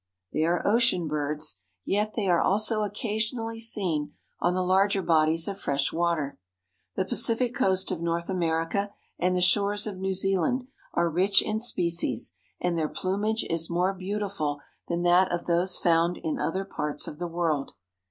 They are ocean birds, yet they are also occasionally seen on the larger bodies of fresh water. The Pacific coast of North America and the shores of New Zealand are rich in species and their plumage is more beautiful than that of those found in other parts of the world.